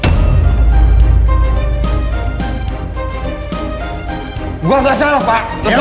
bisa bisa elsa juga dianggap terlibat